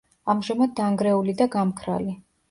ამჟამად დანგრეული და გამქრალი.